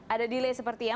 ada delay seperti ya